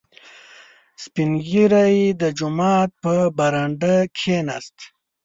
• سپین ږیری د جومات په برنډه کښېناست.